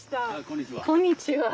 こんにちは。